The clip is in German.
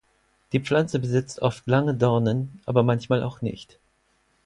Die Pflanze besitzt oft lange Dornen aber manchmal auch nicht.